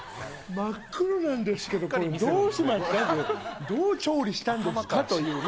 真っ黒なんですけどこれ、どうしますか、どう調理したんですかというね。